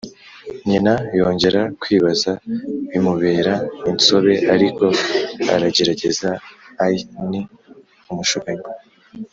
nyina yongera kwibaza bimubera insobe, ariko aragerageza ai ni umushukanyi